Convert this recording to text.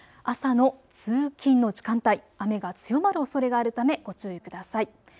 朝の通勤の時間帯、雨が強まるおそれがあるためご注意ください。